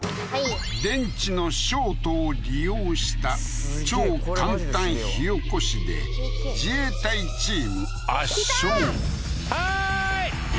電池のショートを利用した超簡単火起こしで自衛隊チーム圧勝はーい！